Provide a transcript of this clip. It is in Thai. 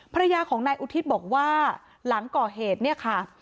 ภรรยาของนายอุทิศบอกว่าหลังก่อเหตุเนี่ยค่ะ